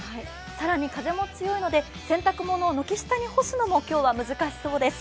更に風も強いので洗濯物を軒下に干すのも今日は難しそうです。